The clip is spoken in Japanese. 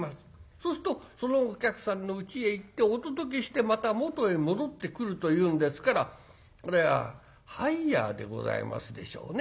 そうするとそのお客さんのうちへ行ってお届けしてまた元へ戻ってくるというんですからこれはハイヤーでございますでしょうね